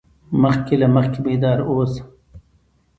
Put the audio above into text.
مخکې له مخکې بیدار اوسه.